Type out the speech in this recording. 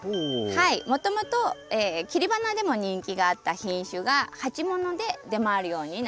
もともと切り花でも人気があった品種が鉢物で出回るようになった品種です。